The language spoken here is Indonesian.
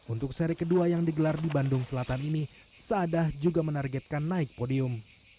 untuk seri kedua yang digelar di bandung selatan ini saadah juga menargetkan naik podium